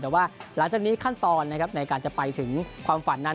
แต่ว่าหลังจากนี้ขั้นตอนนะครับในการจะไปถึงความฝันนั้น